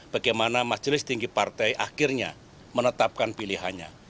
bagaimana majelis tinggi partai akhirnya menetapkan pilihannya